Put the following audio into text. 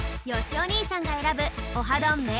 よしお兄さんが選ぶオハどん！